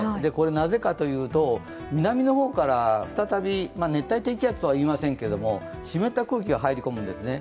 なぜかというと、南の方から再び熱帯低気圧とは言いませんけど湿った空気が入り込むんですね。